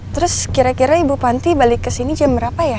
terus kira kira ibu panti balik ke sini jam berapa ya